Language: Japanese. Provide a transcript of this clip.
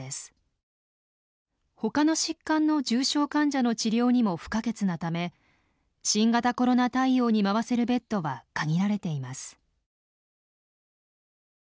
ほかの疾患の重症患者の治療にも不可欠なため新型コロナ対応に回せるベッドは限られています。